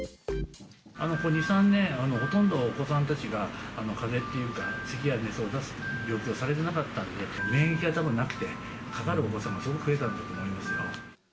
ここ２、３年、ほとんどお子さんたちがかぜというか、せきや熱を出す病気をされてなかったんで、免疫がたぶんなくて、かかるお子さん、すごく増えたんだと思いますよ。